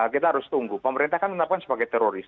kita harus tunggu pemerintah kan menetapkan sebagai teroris